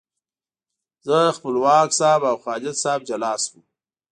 زه، خپلواک صاحب او خالد صاحب جلا شوو.